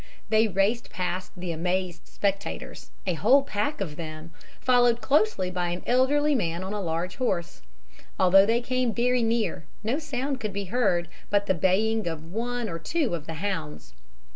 They raced past the amazed spectators (a whole pack of them), followed closely by an elderly man on a large horse. Although they came very near, no sound could be heard but the baying of one or two of the hounds.